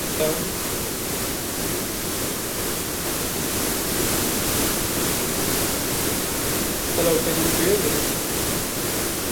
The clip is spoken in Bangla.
তিনি তিন বছর বয়সে পিয়ানো বাজানো শুরু করেন।